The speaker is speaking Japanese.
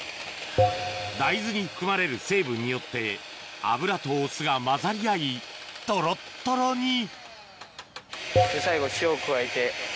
大豆に含まれる成分によって油とお酢が混ざり合いトロットロに最後塩を加えて。